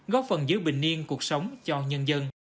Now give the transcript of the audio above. góp phần giữ bình niên cuộc sống cho nhân dân